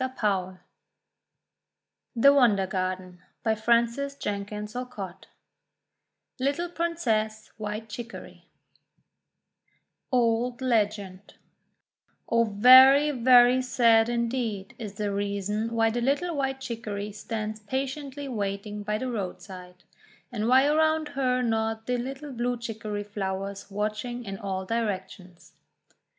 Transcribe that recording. HANS CHRISTIAN ANDERSEN (adapted) PRINCESS WHITE CHICORY 131 LITTLE PRINCESS WHITE CHICORY Old Legend OH, very, very sad indeed is the reason why the little White Chicory stands patiently waiting by the roadside; and why around her nod the little Blue Chicory flowers watching in all directions.